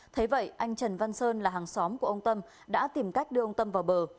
thế vậy anh trần văn sơn là hàng xóm của ông tâm đã tìm cách đưa ông tâm vào bờ